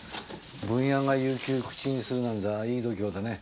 ブンヤが有休口にするなんざいい度胸だね。